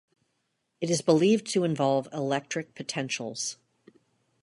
It is believed to involve electric potentials.